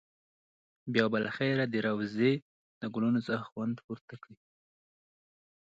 بیا به له خیره د روضې د ګلونو څخه خوند پورته کړې.